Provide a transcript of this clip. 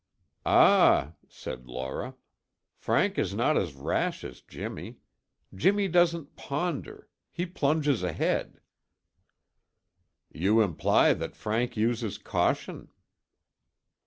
"Ah," said Laura. "Frank is not as rash as Jimmy! Jimmy doesn't ponder. He plunges ahead." "You imply that Frank uses caution."